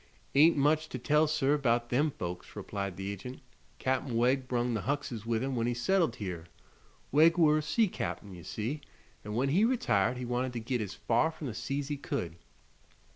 "Ain't much to tell, sir, 'bout them folks," replied the agent. "Cap'n Wegg brung the Huckses with him when he settled here. Wegg were a sea cap'n, ye see, an' when he retired he Wanted to git as far from the sea's he could."